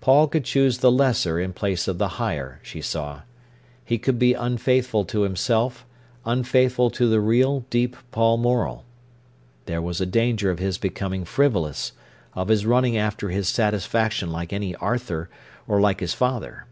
Paul could choose the lesser in place of the higher, she saw. He could be unfaithful to himself, unfaithful to the real, deep Paul Morel. There was a danger of his becoming frivolous, of his running after his satisfaction like any Arthur, or like his father.